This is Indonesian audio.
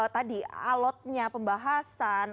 tadi alotnya pembahasan